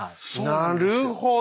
なるほど！